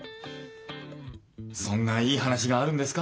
そんないい話があるんですか？